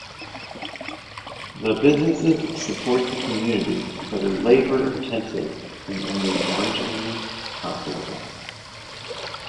The businesses support the community but are labor-intensive and only marginally profitable.